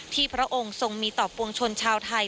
พระองค์ทรงมีต่อปวงชนชาวไทย